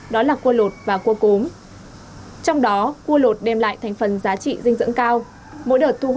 đó là cua lột và cua cốm trong đó cua lột đem lại thành phần giá trị dinh dưỡng cao mỗi đợt thu